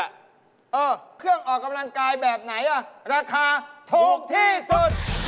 เออเครื่องออกกำลังกายแบบไหนอ่ะราคาถูกที่สุด